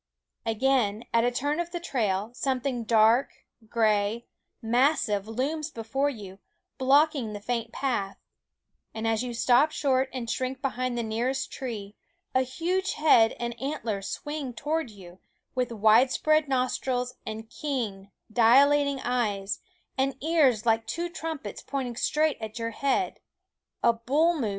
Again, at a turn of the trail, something dark, gray, massive looms before you, blocking the faint path ; and as you stop short and shrink behind the nearest tree, a huge head and antlers swing toward you, with widespread nostrils and keen, dilating eyes, and ears like two trumpets pointing straight at your head a bull moose, sh